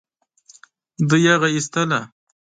دوی هغه ايستله.